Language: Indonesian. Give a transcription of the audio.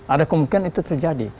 ada kemungkinan itu terjadi